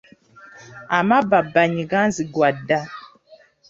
Amabbabbanyi ganzigwa dda.